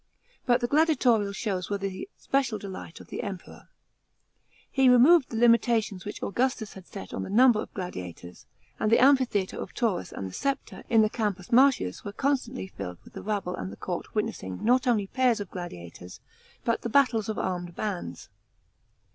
But the gladiatorial shows were the special delight oi' the Emperor. He removed the limitations which Augustus had set on the number of gladiators ; and the amphitheatre of Taurus and the Ssepta in the Campus Martius were constantly filled with the rabble and the court witnessing not only pairs of gladiators, but the battles of armed bands.